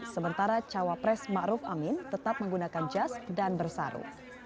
sementara cawapres ma'ruf amin tetap menggunakan jas dan bersaru